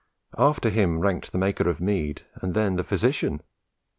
After him ranked the maker of mead, and then the physician.